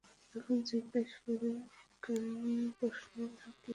এখন জিজ্ঞেস কর কোন প্রশ্ন থাকলে?